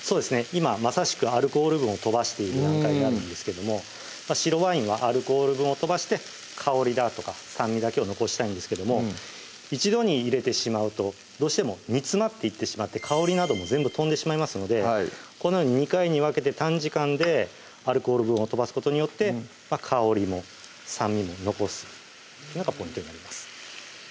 今まさしくアルコール分を飛ばしている段階になるんですけども白ワインはアルコール分を飛ばして香りだとか酸味だけを残したいんですけども一度に入れてしまうとどうしても煮詰まっていってしまって香りなども全部とんでしまいますのでこのように２回に分けて短時間でアルコール分をとばすことによって香りも酸味も残すのがポイントになります